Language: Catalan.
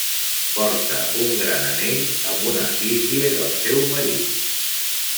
Porta un gran anell amb una efígie del seu marit.